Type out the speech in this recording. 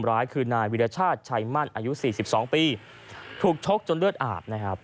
อายุ๔๒ปีถูกชกจนเลือดอาบนะครับ